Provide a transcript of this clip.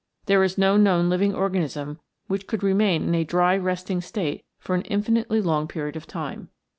There is no known living organism which could remain in a dry resting state for an infinitely long period of time.